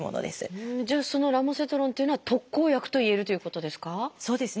じゃあそのラモセトロンっていうのは特効薬といえるということですか？